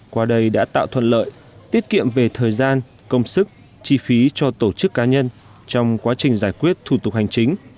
qua đây đã tạo thuận lợi tiết kiệm về thời gian công sức chi phí cho tổ chức cá nhân trong quá trình giải quyết thủ tục hành chính